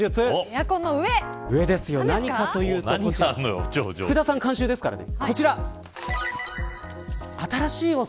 エアコンの上、何かというと福田さん監修ですからね。